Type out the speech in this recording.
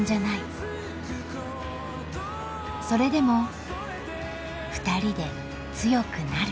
それでもふたりで強くなる。